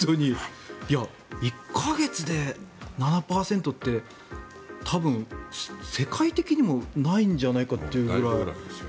１か月で７％って多分、世界的にもないんじゃないかというぐらい。